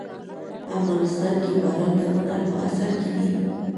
افغانستان کې باران د هنر په اثار کې دي.